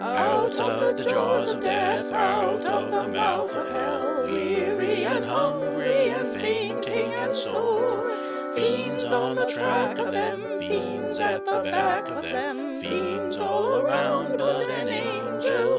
Out of the jaws of death, Out of the mouth of hell, Weary and hungry, and fainting and sore, Fiends on the track of them, Fiends at the back of them, Fiends all around but an an gel be fore.